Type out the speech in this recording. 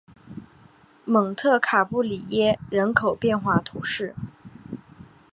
蒙特卡布里耶人口变化图示